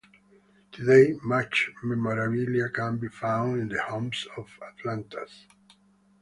Today, much memorabilia can be found in the homes of Atlantans.